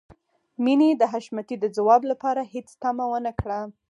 مينې د حشمتي د ځواب لپاره هېڅ تمه ونه کړه.